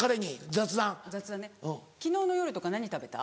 雑談ね昨日の夜とか何食べた？